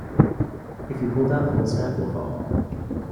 If you pull that the whole stack will fall.